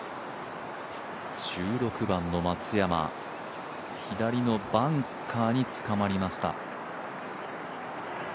１６番の松山、左のバンカーにつかまりました。